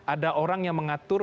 ada orang yang mengatur